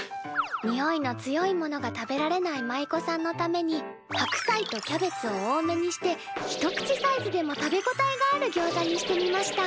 においの強いものが食べられない舞妓さんのために白菜とキャベツを多めにして一口サイズでも食べ応えがあるギョウザにしてみました。